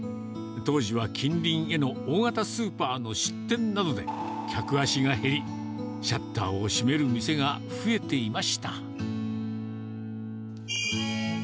当時は近隣への大型スーパーの出店などで、客足が減り、シャッターを閉める店が増えていました。